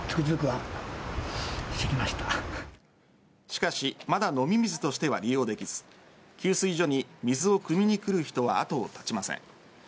しかしまだ飲み水としては利用できず給水所に水をくみに来る人が後を絶ちません。